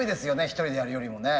一人でやるよりもね。